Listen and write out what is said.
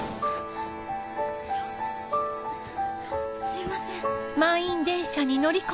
すいません。